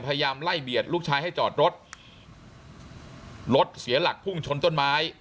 พยายามไล่เบียดลูกชายให้จอดรถรถเสียหลักพุ่งชนต้นไม้